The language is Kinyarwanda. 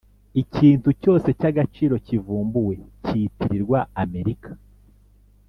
Ikintu cyose cy agaciro kivumbuwe kitirirwa amerika